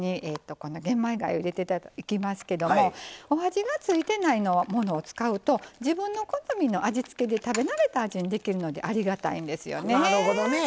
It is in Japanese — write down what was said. お鍋の中に玄米がゆを入れていきますけどお味が付いていないものを使うと自分の好みの味付けで食べ慣れた味で食べれるのでありがたいんですね。